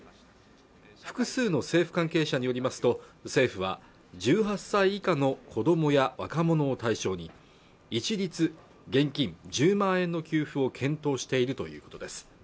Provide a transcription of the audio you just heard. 複数の政府関係者によりますと政府は１８歳以下の子どもや若者を対象に一律現金１０万円の給付を検討しているということです